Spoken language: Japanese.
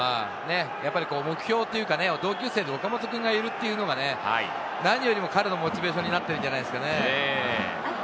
目標というか、同級生で岡本君がいるというのが何よりも彼のモチベーションになってるんじゃないですかね。